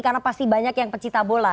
karena pasti banyak yang pecita bola